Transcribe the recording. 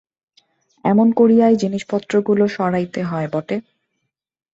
এমনি করিয়াই জিনিসপত্রগুলো সরাইতে হয় বটে!